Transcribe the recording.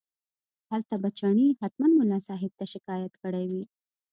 هلته به چڼي حتمي ملا صاحب ته شکایت کړی وي.